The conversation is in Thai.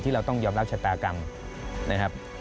เราต้องยอมรับชะตากรรมนะครับ